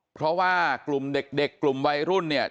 เพราะว่ากลุ่มเด็กกลุ่มวัยรุ่นเนี่ย